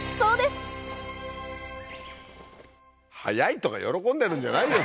「早い」とか喜んでるんじゃないよ